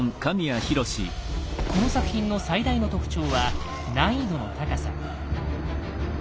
この作品の最大の特徴は難易度の高さ。